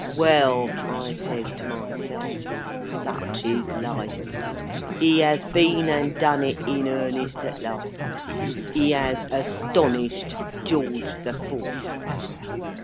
Well, I says to myself, Such is Life! He has been and done it in earnest at last. He has astonished George the Fourth!